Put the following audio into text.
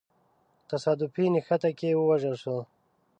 تصادفي نښته کي ووژل سو.